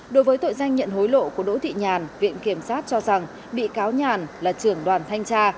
đối với tội danh nhận hối lộ của đỗ thị nhàn viện kiểm sát cho rằng bị cáo nhàn là trưởng đoàn thanh tra